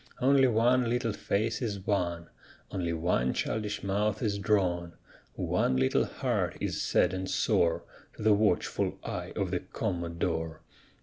Only one little face is wan; Only one childish mouth is drawn; One little heart is sad and sore To the watchful eye of the Commodore.